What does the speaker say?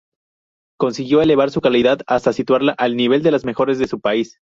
Consiguió elevar su calidad hasta situarla al nivel de las mejores de su país.